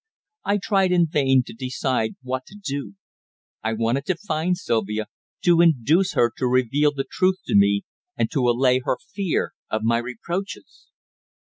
I tried in vain to decide what to do. I wanted to find Sylvia, to induce her to reveal the truth to me, and to allay her fear of my reproaches.